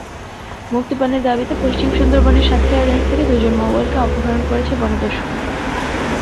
মুক্তিপণের দাবিতে পশ্চিম সুন্দরবনের সাতক্ষীরা রেঞ্জ থেকে দুজন মৌয়ালকে অপহরণ করেছে বনদস্যুরা।